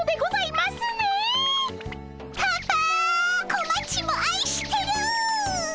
こまちもあいしてる！